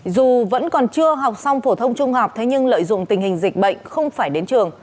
dù vẫn còn chưa học xong phổ thông trung học thế nhưng lợi dụng tình hình dịch bệnh không phải đến trường